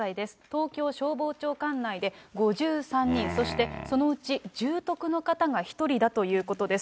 東京消防庁管内で５３人、そしてそのうち重篤の方が１人だということです。